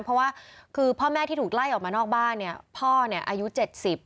เพราะว่าคือพ่อแม่ที่ถูกไล่ออกมานอกบ้านเนี่ยพ่อเนี่ยอายุเจ็ดสิบ